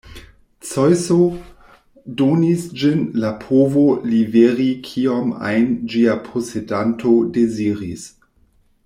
Zeŭso donis ĝin la povo liveri kiom ajn ĝia posedanto deziris.